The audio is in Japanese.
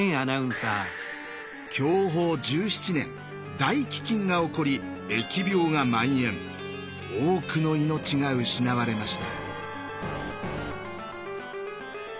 享保１７年大飢きんが起こり疫病がまん延多くの命が失われました。